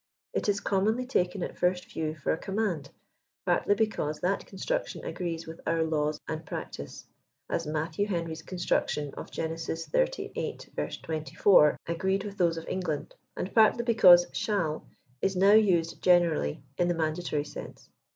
It is com monly taken at first view for a command, partly because that construction agrees with our laws and ptactice, as Matthew Henry's construction of Gen. xxxviii. 24, agreed with those of England ; and partly because " shall" is tiow used generally in a mandatory sense.